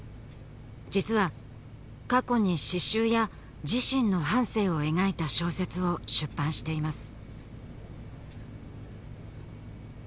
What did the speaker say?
実は過去に詩集や自身の半生を描いた小説を出版しています